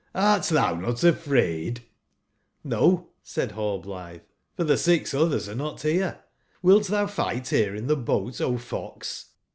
Hrt thou not afraid?" "]So,''said Rallblitbe, " for tbe six others are not here. Qlilt thou fight here in the boat, O fox